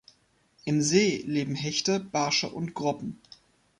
Im See leben Hechte, Barsche und Groppen.